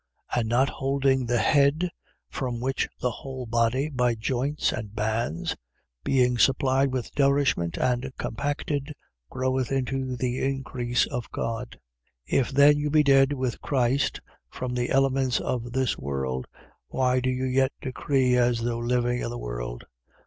And not holding the head, from which the whole body, by joints and bands, being supplied with nourishment and compacted, groweth into the increase of God. 2:20. If then you be dead with Christ from the elements of this world, why do you yet decree as though living in the world?